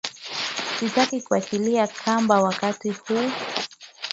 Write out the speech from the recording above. Sitaki kuachilia kamba wakati huu